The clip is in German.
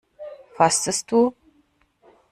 Fastest du?